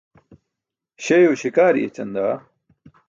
Śeyo śikaari écaan daa!